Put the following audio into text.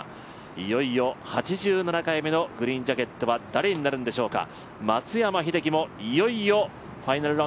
いよいよ８７回目のグリーンジャケットは誰になるんでしょうか。